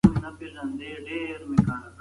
د علم ولایت باید پوره کړي ترڅو جهل ته ځای نه وي.